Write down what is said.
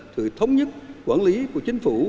thực thống nhất quản lý của chính phủ